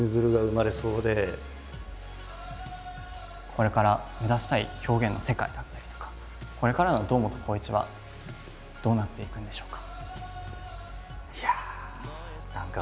これから目指したい表現の世界だったりとかこれからの堂本光一はどうなっていくんでしょうか？